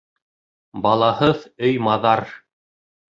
Балаһыҙ өй маҙар.